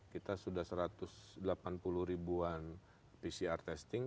kita sudah satu ratus delapan puluh ribuan pcr testing